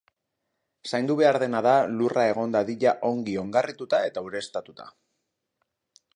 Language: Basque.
Zaindu behar dena da lurra egon dadila ongi ongarrituta eta ureztatuta.